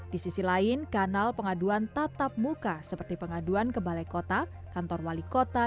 di sisi lain kanal pengaduan tatap muka seperti pengaduan ke balai kota kantor wali kota